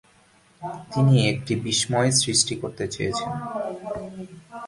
তিনি একটি বিস্ময় সৃষ্টি করতে চেয়েছেন।